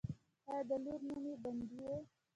او د لور نوم يې بندۍ وۀ